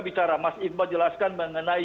bicara mas iqbal jelaskan mengenai